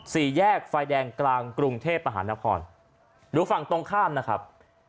สี่แยกไฟแดงกลางกรุงเทพมหานครดูฝั่งตรงข้ามนะครับ